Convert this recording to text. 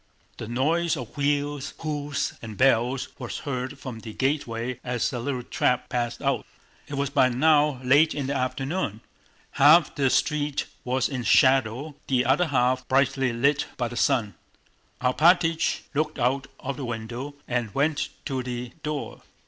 The noise of wheels, hoofs, and bells was heard from the gateway as a little trap passed out. It was by now late in the afternoon. Half the street was in shadow, the other half brightly lit by the sun. Alpátych looked out of the window and went to the door.